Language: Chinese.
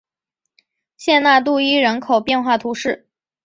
谢讷杜伊人口变化图示